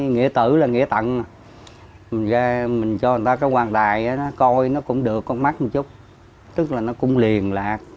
nghĩa tử là nghĩa tận mình cho người ta cái quan tài nó coi nó cũng được con mắt một chút tức là nó cũng liền lạc